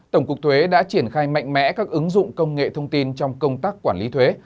tổng cục thuế đã triển khai mạnh mẽ các ứng dụng công nghệ thông tin trong công tác quản lý thuế